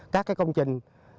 các công trình